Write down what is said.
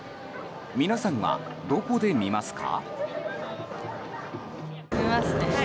皆さんはどこで見ますか？